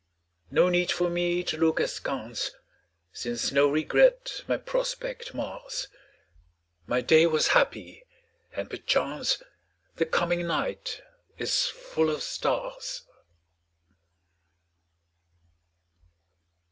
No need for me to look askance, Since no regret my prospect mars. My day was happy and perchance The coming night is full of stars.